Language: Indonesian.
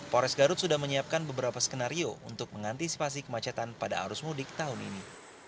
pores garut sudah menyiapkan beberapa skenario untuk mengantisipasi kemacetan pada arus mudik tahun ini